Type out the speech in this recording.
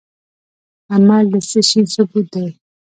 عمل د څه شي ثبوت دی؟